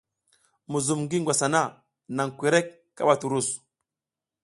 Muzum ngi ngwas hana, nan kwerek kaɓa turus.